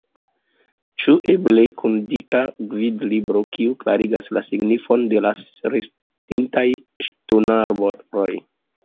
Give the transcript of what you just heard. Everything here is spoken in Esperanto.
Ĉu eble kun dika gvidlibro, kiu klarigas la signifon de la restintaj ŝtonaroj?